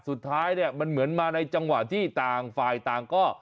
สุดท้ายเนี่ยมันเหมือนมาในจังหวะที่ต่างฝ่ายต่างก็